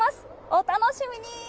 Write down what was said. お楽しみに。